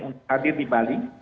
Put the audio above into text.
untuk hadir di bali